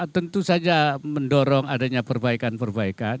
tentu saja mendorong adanya perbaikan perbaikan